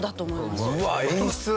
うわ演出？